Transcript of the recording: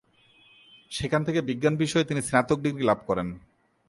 সেখান থেকে বিজ্ঞান বিষয়ে তিনি স্নাতক ডিগ্রী লাভ করেন।